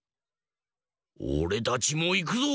おれたちもいくぞ！